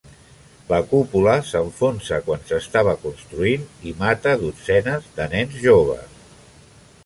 La cúpula s'enfonsa quan s'estava construint i mata dotzenes de nens joves.